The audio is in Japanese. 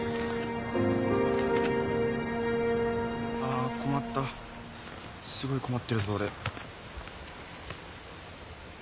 あ困ったすごい困ってるぞ俺。